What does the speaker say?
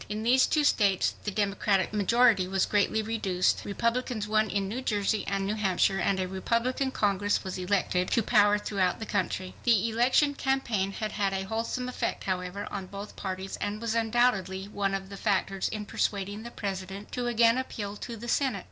In these two states the Democratic majority was greatly reduced. Republicans won in New Jersey and New Hampshire and a Republican Congress was elected to power throughout the country. The election campaign had had a wholesome effect, however, on both parties and was undoubtedly one of the factors in persuading the President to again appeal to the Senate.